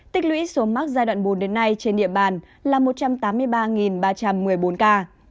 tích lũy số mắc giai đoạn bốn đến nay trên địa bàn là một trăm tám mươi ba ba trăm một mươi bốn ca